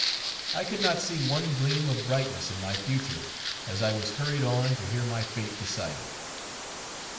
I could not see one gleam of brightness in my future, as I was hurried on to hear my fate decided.